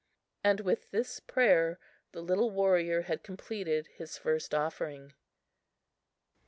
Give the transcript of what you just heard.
And with this prayer the little warrior had completed his first offering.